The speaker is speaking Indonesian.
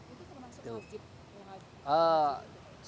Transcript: itu termasuk masjid muhajirin